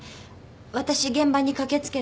私現場に駆け付けた。